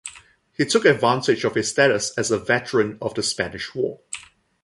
He took advantage of his status as a veteran of the Spanish war.